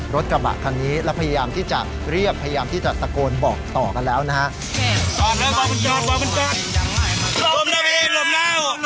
รถกระบะคันนี้แล้วพยายามที่จะเรียกพยายามที่จะตะโกนบอกต่อกันแล้วนะฮะ